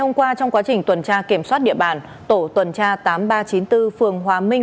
hôm qua trong quá trình tuần tra kiểm soát địa bàn tổ tuần tra tám nghìn ba trăm chín mươi bốn phường hòa minh